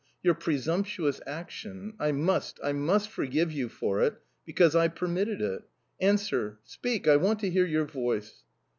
Your presumptuous action... I must, I must forgive you for it, because I permitted it... Answer, speak, I want to hear your voice!"...